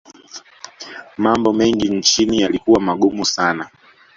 mambo mengi nchini yalikuwa magumu sana